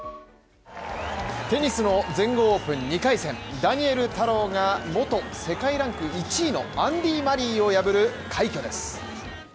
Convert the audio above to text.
全豪オープン２回戦ダニエル太郎が元世界ランク１位のアンディ・マリーを破る快挙です。